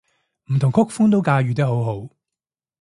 唔同曲風都駕馭得好好